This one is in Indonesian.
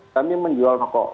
kami menjual rokok